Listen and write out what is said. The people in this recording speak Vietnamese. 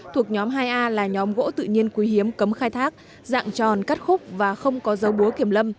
thuộc nhóm hai a là nhóm gỗ tự nhiên quý hiếm cấm khai thác dạng tròn cắt khúc và không có dấu búa kiểm lâm